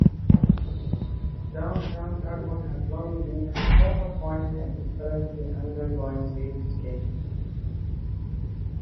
Downtown Tarpon has long been a focal point and is currently undergoing beautification.